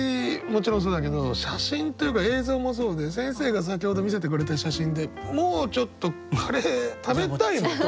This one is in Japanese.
もちろんそうだけど写真というか映像もそうで先生が先ほど見せてくれた写真でもうちょっとカレー食べたいもんね。